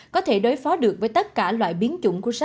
có thể đối phó được với tất cả loại biến chủng của sars cov